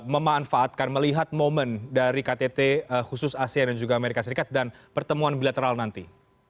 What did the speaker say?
memanfaatkan melihat momen dari ktt khusus asean dan juga amerika serikat dan pertemuan bilateral nanti